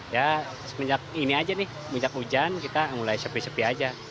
ya semenjak ini aja nih semenjak hujan kita mulai sepi sepi aja